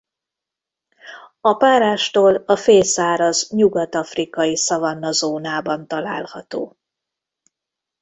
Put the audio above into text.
A párástól a félszáraz nyugat-afrikai szavanna zónában található.